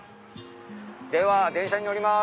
では電車に乗ります。